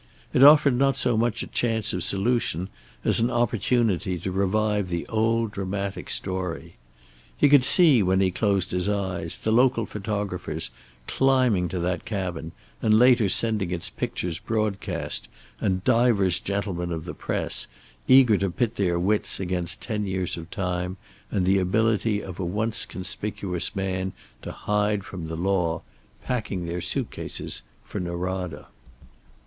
It offered not so much a chance of solution as an opportunity to revive the old dramatic story. He could see, when he closed his eyes, the local photographers climbing to that cabin and later sending its pictures broadcast, and divers gentlemen of the press, eager to pit their wits against ten years of time and the ability of a once conspicuous man to hide from the law, packing their suitcases for Norada.